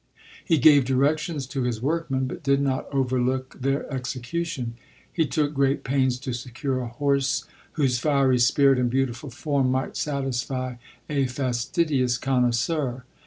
He gave directions to his workmen, but did not overlook their execution. He took great pains to secure a horse, whose fiery spirit and beautiful form might satisfy a fastidious connoisseur.